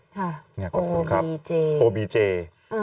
ค่ะโอบีเจย์โอบีเจย์อยากขอบคุณครับโอบีเจย์